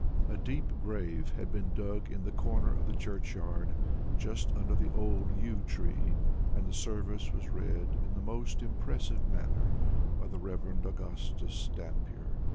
A deep grave had been dug in the corner of the churchyard, just under the old yew tree, and the service was read in the most impressive manner by the Rev. Augustus Dampier.